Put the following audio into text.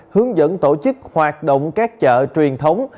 hướng dẫn tổ chức hoạt động các chợ truyền thống